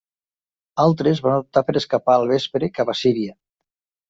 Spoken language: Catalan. Altres van optar per escapar al vespre cap a Síria.